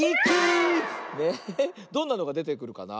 どんなのがでてくるかな？